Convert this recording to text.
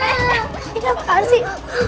eh eh ini apaan sih